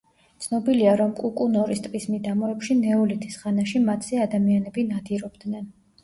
ცნობილია, რომ კუკუნორის ტბის მიდამოებში, ნეოლითის ხანაში მათზე ადამიანები ნადირობდნენ.